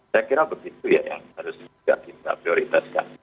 saya kira begitu ya yang harus juga kita prioritaskan